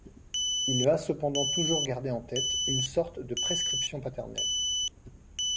Il va cependant toujours garder en tête une sorte de prescription paternelle.